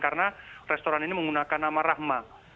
karena restoran ini menggunakan nama rahma